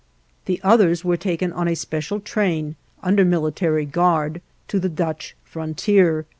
The others were taken on a special train under military guard to the Dutch frontier.